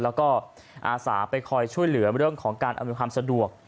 แล้วก็อาศราคมไปคอยช่วยเหลือเรื่องของการอาวิทธิ์ฟรรมสะดวก